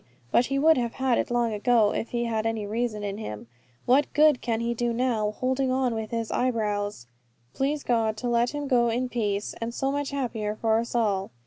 But he would have had it long ago, if he had any reason in him. What good can he do now, holding on with his eyebrows? Please God to let him go in peace; and so much happier for us all."